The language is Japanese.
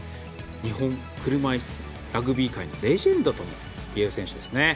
日本車いすラグビー界のレジェンドという選手ですね。